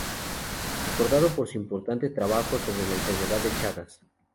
Recordado por su importante trabajo sobre la Enfermedad de Chagas.